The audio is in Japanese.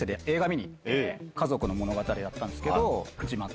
家族の物語だったんですけど。